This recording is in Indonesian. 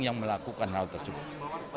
yang melakukan hal tersebut